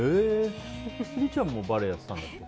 千里ちゃんもバレエやってたんだっけ？